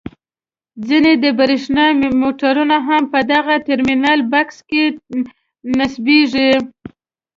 ځینې د برېښنا میټرونه هم په دغه ټرمینل بکس کې نصبیږي.